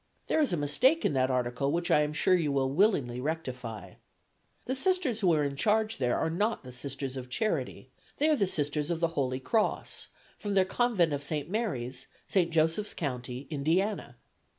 There is a mistake in that article which I am sure you will willingly rectify. The Sisters who are in charge there are not the 'Sisters of Charity;' they are the 'Sisters of the Holy Cross,' from their Convent of St. Mary's, St. Joseph's County, Indiana.